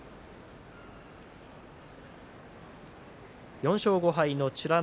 ４勝５敗の美ノ